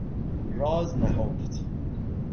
راز نهفت